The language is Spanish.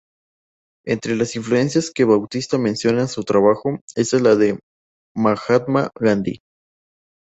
Entre las influencias que Bautista menciona a su trabajo está la de Mahatma Gandhi.